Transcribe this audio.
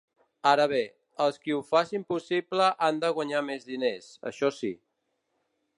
Ara bé, els qui ho facin possible han de guanyar més diners, això sí.